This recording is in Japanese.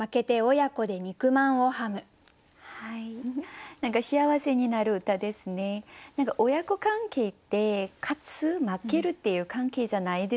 親子関係って勝つ負けるっていう関係じゃないですもんね。